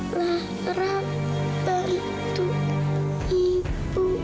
lara bantu ibu